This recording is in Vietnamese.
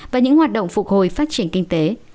và những hoạt động phục hồi phát triển kinh tế